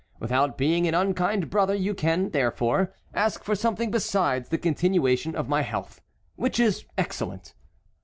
Without being an unkind brother you can, therefore, ask for something besides the continuation of my health, which is excellent."